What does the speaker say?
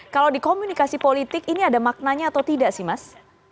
kalau di komunikasi politik ini ada maknanya atau tidak sih mas